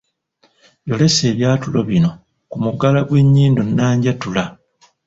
Yolesa ebyatulo bino ku mugala gw’ennyingo nnanjatula.